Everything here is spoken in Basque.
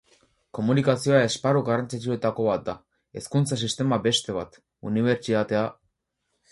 Komunikazioa esparru garrantzitsuetako bat da, hezkuntza sistema beste bat, unibertsitatea...